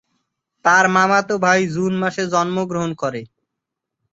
তার মামাতো ভাই জুন মাসে জন্মগ্রহণ করে।